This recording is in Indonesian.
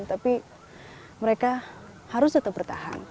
tapi mereka harus tetap bertahan